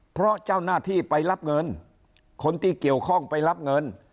เพราะเจ้าหน้าที่ไปรับเงินคนที่เกี่ยวข้องไปรับเงิน